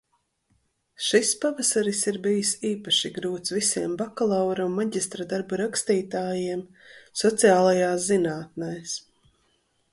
Šis pavasaris ir bijis īpaši grūts visiem bakalaura un maģistra darbu rakstītājiem sociālajās zinātnes.